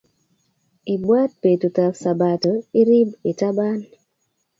Ibwat peetutap sabato iriib itabaan